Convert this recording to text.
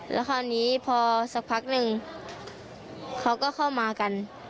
แล้วคราวนี้พอสักพักหนึ่งเขาก็เข้ามากัน